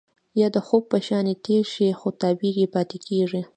يا د خوب په شانې تير شي خو تعبير يې پاتې کيږي.